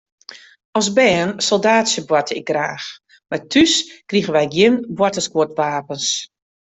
As bern soldaatsjeboarte ik graach, mar thús krigen wy gjin boartersguodwapens.